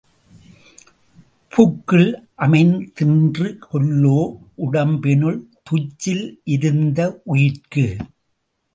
புக்கில் அமைந்தின்று கொல்லோ உடம்பினுள் துச்சில் இருந்த உயிர்க்கு.